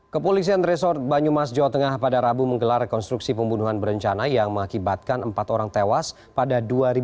kepolisian resort banyumas jawa tengah pada rabu menggelar rekonstruksi pembunuhan berencana yang mengakibatkan empat orang tewas pada dua ribu dua puluh